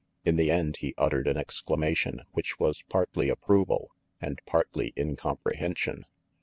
In the end he uttered an exclama tion which was partly approval and partly incom prehension.